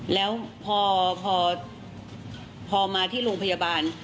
แล้วพอมาที่โรงพยาบาล